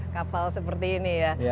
kapal seperti ini ya